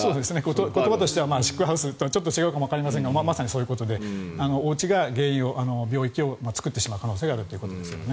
言葉としてはシックハウスとは違うかもしれませんがおうちが病気の原因を作ってしまう可能性があるということですよね。